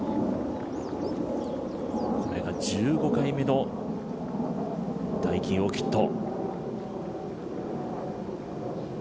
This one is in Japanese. これが１５回目のダイキンオーキッド。